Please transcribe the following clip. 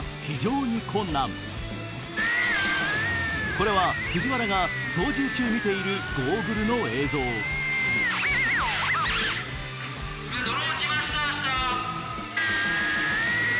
これは藤原が操縦中見ているゴーグルの映像・ドローン落ちました